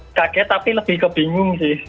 kaget tapi lebih kebingung sih